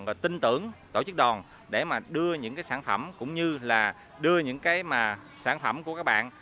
và tin tưởng tổ chức đòn để mà đưa những cái sản phẩm cũng như là đưa những cái sản phẩm của các bạn